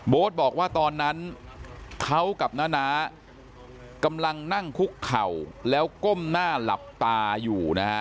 บอกว่าตอนนั้นเขากับน้าน้ากำลังนั่งคุกเข่าแล้วก้มหน้าหลับตาอยู่นะฮะ